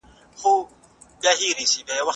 ایا خلک د خپلو فابریکو له تولیداتو خوښ دي؟